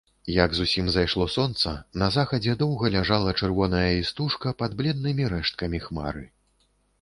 Як зусім зайшло сонца, на захадзе доўга ляжала чырвоная істужка пад бледнымі рэшткамі хмары.